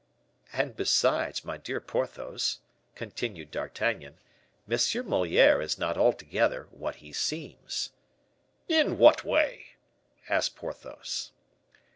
"And besides, my dear Porthos," continued D'Artagnan, "M. Moliere is not altogether what he seems." "In what way?" asked Porthos.